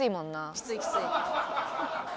きついきつい。